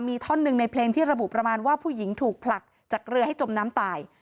มีท่อนหนึ่งในเพลงที่ระบุประมาณว่าผู้หญิงถูกผลักจากเรือให้จมน้ำตาย